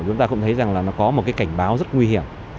chúng ta cũng thấy rằng là nó có một cái cảnh báo rất nguy hiểm